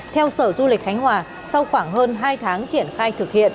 theo sở du lịch khánh hòa sau khoảng hơn hai tháng triển khai thực hiện